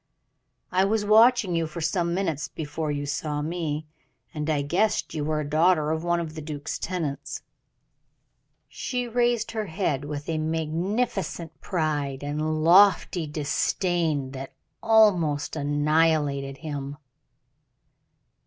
"I was watching you for some minutes before you saw me, and I guessed that you were a daughter of one of the duke's tenants." She raised her head with a magnificent pride and lofty disdain that almost annihilated him.